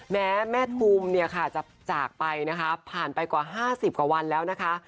แม่แม่ทุมเนี่ยค่ะจะจากไปนะคะผ่านไปกว่า๕๐กว่าวันแล้วนะคะ